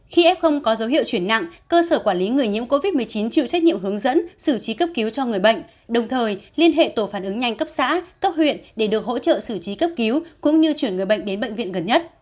khi f có dấu hiệu chuyển nặng cơ sở quản lý người nhiễm covid một mươi chín chịu trách nhiệm hướng dẫn xử trí cấp cứu cho người bệnh đồng thời liên hệ tổ phản ứng nhanh cấp xã cấp huyện để được hỗ trợ xử trí cấp cứu cũng như chuyển người bệnh đến bệnh viện gần nhất